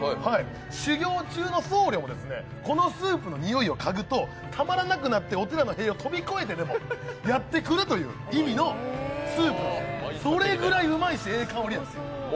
修行中の僧侶がこのスープのにおいをかぐとたまらなくなってお寺の塀を跳び越えてでもやってくるというスープで、それぐらいうまいスープなんですよ。